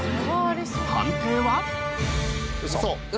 判定は？